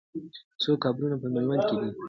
څو قبرونه په میوند کې دي؟